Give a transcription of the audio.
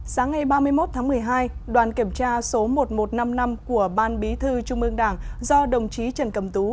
sáng ngày ba mươi một tháng một mươi hai đoàn kiểm tra số một nghìn một trăm năm mươi năm của ban bí thư trung ương đảng do đồng chí trần cầm tú